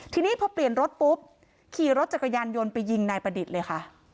ทีนี้พอเปลี่ยนรถปุ๊บขี่รถจักรยานยนต์ไปยิงนายประดิษฐ์เลยค่ะ